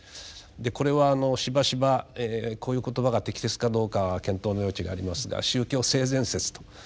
でこれはしばしばこういう言葉が適切かどうかは検討の余地がありますが宗教性善説と言ったりしていますがね。